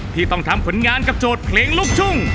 ที่ต้องทำผลงานกับโจทย์เพลงลูกทุ่ง